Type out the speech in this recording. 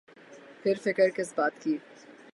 پھر فکر کس بات کی۔